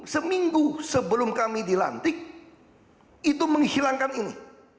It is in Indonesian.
seminggu sebelum kami dilantik itu menghilangkan ini